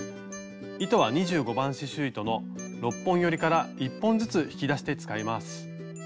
糸は２５番刺しゅう糸の６本よりから１本ずつ引き出して使います。